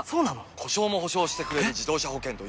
故障も補償してくれる自動車保険といえば？